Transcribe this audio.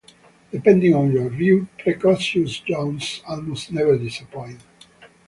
Depending on your view, precocious youths almost never disappoint.